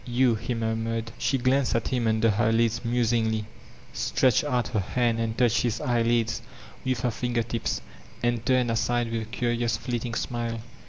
•Tou," he murmured. She glanced at him under her lids musii^y, stretched out her hand and touched his eyelids with her finger*ttp$, and turned aside with a curious fleeting smile.